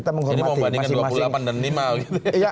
jadi mau bandingkan dua puluh delapan dan lima gitu ya